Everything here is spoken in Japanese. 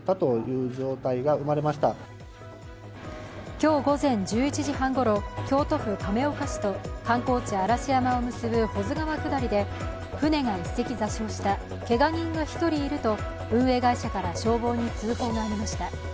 今日午前１１時半ごろ、京都府亀岡市と観光地嵐山を結ぶ保津川下りで、舟が１隻座礁した、けが人が１人いると運営会社から消防に通報がありました。